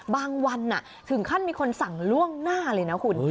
วันถึงขั้นมีคนสั่งล่วงหน้าเลยนะคุณ